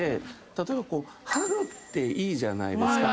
例えばハグっていいじゃないですか。